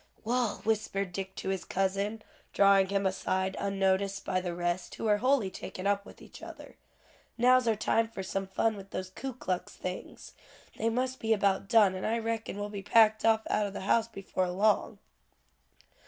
"Wal," whispered Dick to his cousin, drawing him aside unnoticed by the rest, who were wholly taken up with each other, "now's our time for some fun with those Ku Klux things. They must be about done, and I reckon will be packed off out o' the house before long."